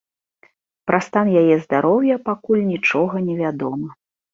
Пра стан яе здароўя пакуль нічога невядома.